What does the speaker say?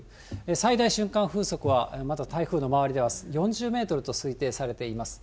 最大瞬間風速は、まだ台風の周りでは４０メートルと推定されています。